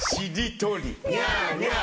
ニャーニャー。